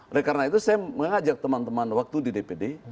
oleh karena itu saya mengajak teman teman waktu di dpd